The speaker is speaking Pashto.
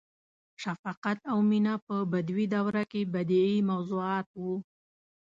• شفقت او مینه په بدوي دوره کې بدیعي موضوعات وو.